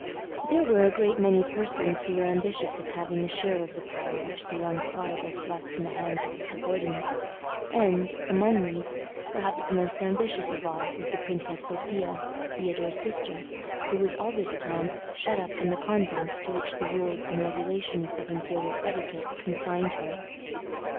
There were a great many persons who were ambitious of having a share of the power which the young Czar thus left in the hands of his subordinates; and, among these, perhaps the most ambitious of all was the Princess Sophia, Theodore's sister, who was all this time shut up in the convent to which the rules and regulations of imperial etiquette consigned her.